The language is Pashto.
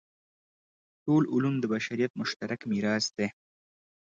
ټول علوم د بشریت مشترک میراث دی.